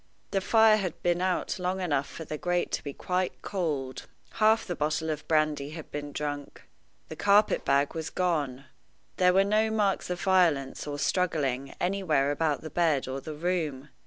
The fire had been out long enough for the grate to be quite cold. Half the bottle of brandy had been drunk. The carpet bag was gone. There were no marks of violence or struggling anywhere about the bed or the room.